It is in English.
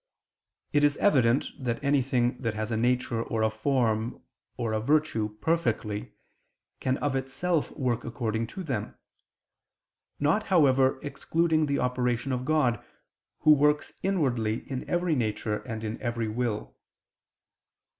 Now it is evident that anything that has a nature or a form or a virtue perfectly, can of itself work according to them: not, however, excluding the operation of God, Who works inwardly in every nature and in every will.